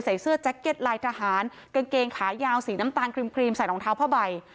ใส่เสื้อแจ็คเก็ตลายทหารกางเกงขายาวสีน้ำตาลครีมใส่รองเท้าผ้าใบ